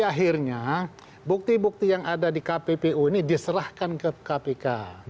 akhirnya bukti bukti yang ada di kppu ini diserahkan ke kpk